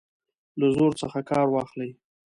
له زور څخه کار واخلي.